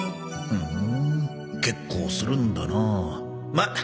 ふん結構するんだなあ。